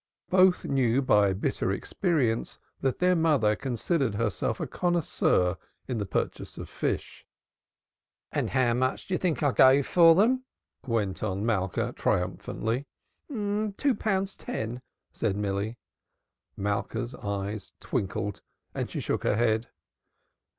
Both knew by bitter experience that their mother considered herself a connoisseur in the purchase of fish. "And how much do you think I gave for them?" went on Malka triumphantly. "Two pounds ten," said Milly. Malka's eyes twinkled and she shook her head.